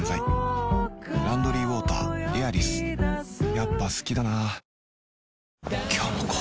やっぱ好きだな・あっ！！